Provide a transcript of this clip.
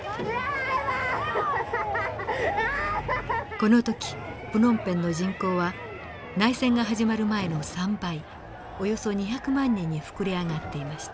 この時プノンペンの人口は内戦が始まる前の３倍およそ２００万人に膨れ上がっていました。